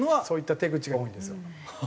そういった手口が多いんですよ。